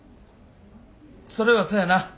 それはそやな。